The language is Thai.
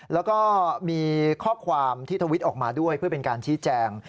แล้วก็มีข้อความที่ทวิตออกมาด้วยเพื่อเป็นการชี้แจง